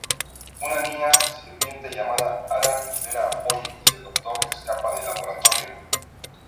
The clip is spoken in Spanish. Una niña sirviente llamada Ara libera a Polly, y el Doctor escapa del laboratorio.